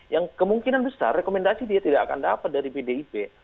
yang kemungkinan besar rekomendasi dia tidak akan dapat dari pdip